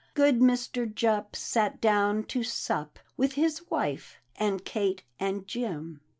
Good Mr. Jupp sat down to sup With wife, and Kate and Jim.